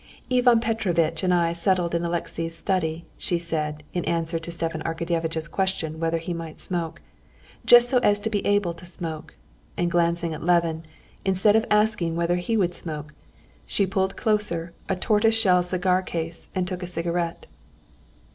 "Ivan Petrovitch and I settled in Alexey's study," she said in answer to Stepan Arkadyevitch's question whether he might smoke, "just so as to be able to smoke"—and glancing at Levin, instead of asking whether he would smoke, she pulled closer a tortoise shell cigar case and took a cigarette.